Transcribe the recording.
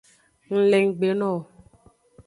Ng le nggbe no wo.